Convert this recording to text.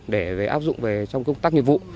để áp dụng trong công tác nghiệp vụ